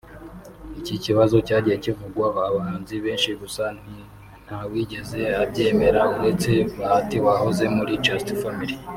Iki kibazo cyagiye kivugwaho abahanzi benshi gusa ntawigeze abyemera uretse Bahati wahoze muri Just Family